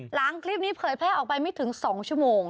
หลังคลิปนี้เผยแพร่ออกไปไม่ถึง๒ชั่วโมง